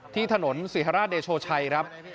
ที่ถนนศรีฮราชเดโชชัยครับ